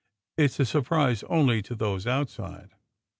" It s a surprise only to those outside.